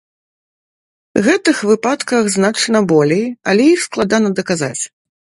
Гэтых выпадках значна болей, але іх складана даказаць.